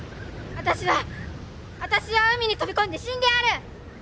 私は私は海に飛び込んで死んでやる！